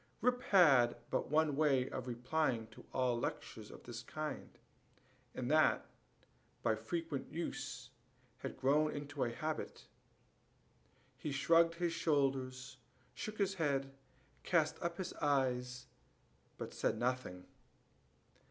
Rip had but one way of replying to all lectures of the kind, and that, by frequent use, had grown into a habit. He shrugged his shoulders, shook his head, cast up his eyes, but said nothing.